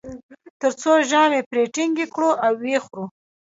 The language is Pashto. تر څو ژامې پرې ټینګې کړو او و یې خورو.